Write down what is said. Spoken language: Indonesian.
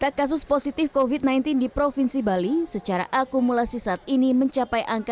data kasus positif covid sembilan belas di provinsi bali secara akumulasi saat ini mencapai angka tiga ribu satu ratus lima puluh tujuh